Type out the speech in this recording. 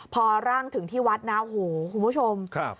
พอร่างถึงที่วัดนะโอ้โหคุณผู้ชม